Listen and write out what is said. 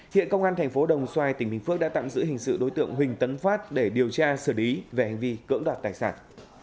hiện công an thành phố đồng xoài tỉnh bình phước đã tạm giữ hình sự đối tượng huỳnh tấn phát để điều tra xử lý về hành vi cưỡng đoạt tài sản